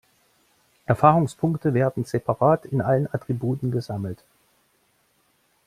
Erfahrungspunkte werden separat in allen Attributen gesammelt.